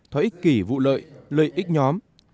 thói ích kỷ vụ lợi lợi ích nhóm